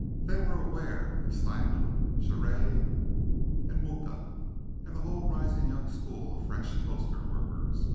They were aware of Steinlen and Cheret and Mucha and the whole rising young school of French poster workers.